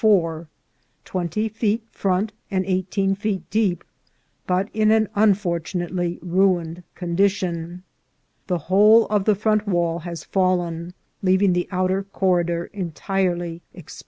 4, twenty feet front and eighteen feet deep, but in an unfortunate ly ruined condition. The whole of the front wall has fallen, leaving the outer corridor entirely exposed. V ^^^.